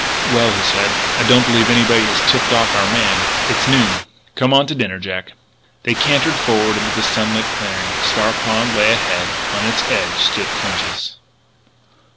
"Well," he said, "I don't believe anybody has tipped off our man. It's noon. Come on to dinner, Jack." They cantered forward into the sunlit clearing. Star Pond lay ahead. On its edge stood Clinch's.